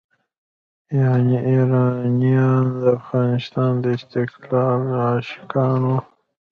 یعنې ایرانیان د افغانستان د استقلال عاشقان وو.